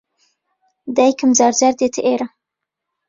دایکم جار جار دێتە ئێرە.